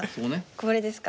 これですか。